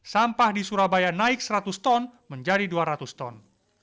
sampah di surabaya naik seratus ton menjadi dua ratus ton